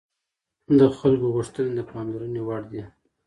د خلکو غوښتنې د پاملرنې وړ دي